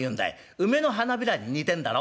梅の花びらに似てんだろ？